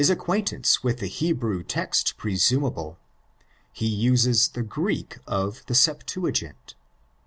acquaintance with the Hebrew text presumable. He uses the Greek of the Septuagint.